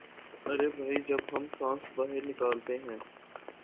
ارے بھئی جب ہم سانس باہر نکالتے ہیں